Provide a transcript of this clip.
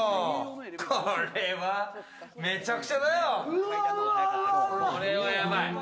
これはめちゃくちゃだよ。